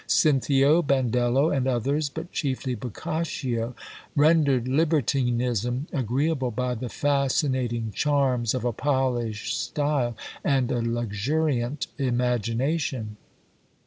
Cinthio, Bandello, and others, but chiefly Boccaccio, rendered libertinism agreeable by the fascinating charms of a polished style and a luxuriant imagination.